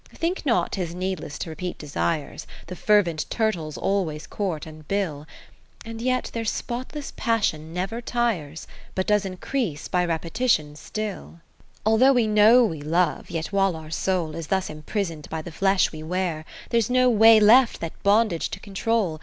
VII Think not 'tis needless to repeat desires ; The fervent turtles always court and bill. And yet their spotless passion never tires, But does increase by repetition still. ( 554) To my Lucasia VIII Although we know we love, yet while our soul Is thus iniprison'd by the flesh we wear, 3° There's no way left that bondage to control.